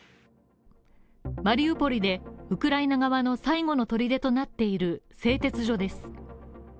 マリウポリで、ウクライナ側の最後の砦となっている製鉄所です。